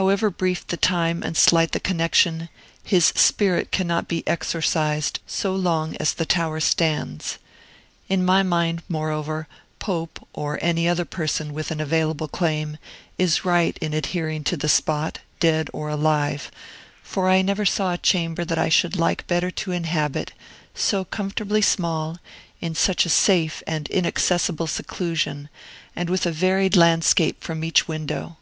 However brief the time and slight the connection, his spirit cannot be exorcised so long as the tower stands. In my mind, moreover, Pope, or any other person with an available claim, is right in adhering to the spot, dead or alive; for I never saw a chamber that I should like better to inhabit, so comfortably small, in such a safe and inaccessible seclusion, and with a varied landscape from each window.